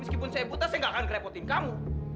meskipun saya buta saya nggak akan kerepotin kamu